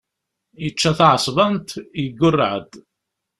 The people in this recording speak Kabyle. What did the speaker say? Yečča taεeṣbant, yeggurreε-d.